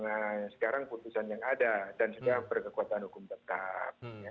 adalah putusan yang ada dan sudah berkekuatan hukum tetap